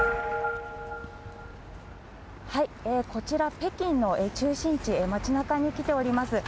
こちら北京の中心地、街なかに来ております。